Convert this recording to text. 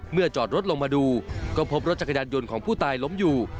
จอดรถลงมาดูก็พบรถจักรยานยนต์ของผู้ตายล้มอยู่